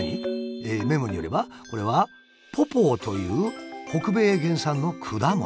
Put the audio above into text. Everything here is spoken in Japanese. メモによればこれは「ポポー」という北米原産の果物。